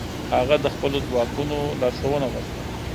هغه د خپلو ځواکونو لارښوونه وکړه.